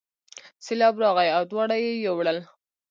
سیلاب راغی او دواړه یې یووړل.